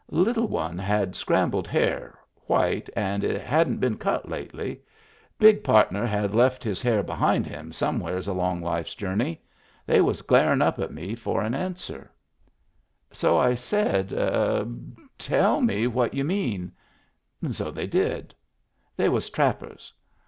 Little one had scrambled hair, white, and it hadn't been cut lately. Big partner had left his hair behind him somewheres along life's journey. They was glarin' up at me for an answer. Digitized by Google WHERE IT WAS 235 So I said :" Tell me what you mean." So they did. They was trappers.